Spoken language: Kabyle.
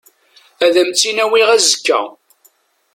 Ad am-tt-in-awiɣ azekka.